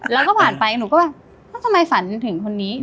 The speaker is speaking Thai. แล้วก็ผ่านไปหนูก็แบบแล้วทำไมฝันถึงคนนี้